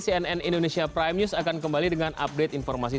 cnn indonesia prime news akan kembali dengan update informasi